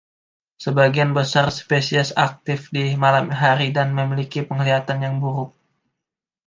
Sebagian besar spesies aktif di malam hari dan memiliki penglihatan yang buruk.